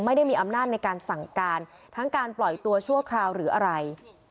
ไม่ได้มีอำนาจในการสั่งการทั้งการปล่อยตัวชั่วคราวหรืออะไร